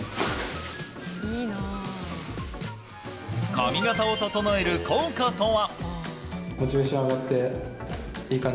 髪形を整える効果とは。